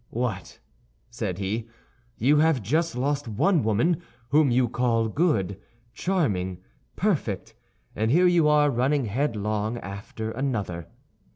"What!" said he, "you have just lost one woman, whom you call good, charming, perfect; and here you are, running headlong after another."